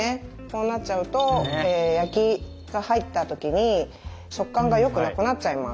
こうなっちゃうと焼きが入った時に食感がよくなくなっちゃいます。